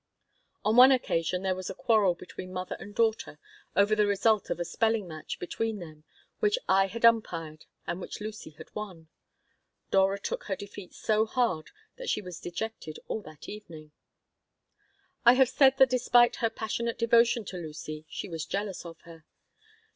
On one occasion there was a quarrel between mother and daughter over the result of a spelling match between them which I had umpired and which Lucy had won. Dora took her defeat so hard that she was dejected all that evening I have said that despite her passionate devotion to Lucy she was jealous of her.